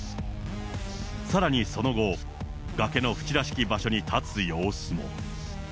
さらにその後、崖の縁らしき場所に立つ様子も。